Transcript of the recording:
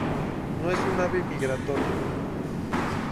No es un ave migratoria.